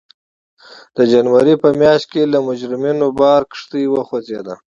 د جنورۍ په میاشت کې له مجرمینو بار کښتۍ وخوځېدې.